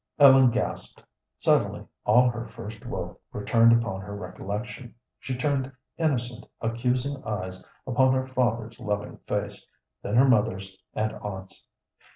Ellen gasped. Suddenly all her first woe returned upon her recollection. She turned innocent, accusing eyes upon her father's loving face, then her mother's and aunt's.